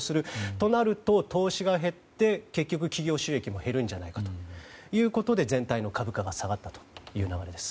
となると、投資が減って企業収益が減るんじゃないかということで全体の株価が下がったという流れです。